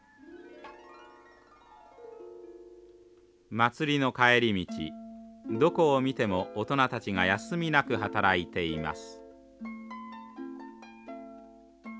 祭りの帰り道どこを見ても大人たちが休みなく働いています。